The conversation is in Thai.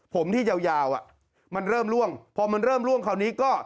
ผมที่ยาวมันเริ่มล่วงพอมันเริ่มล่วงคราวนี้ก็